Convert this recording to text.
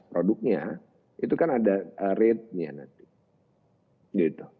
produknya itu kan ada ratenya nanti